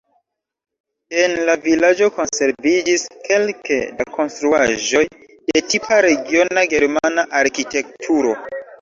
En la vilaĝo konserviĝis kelke da konstruaĵoj de tipa regiona germana arkitekturo.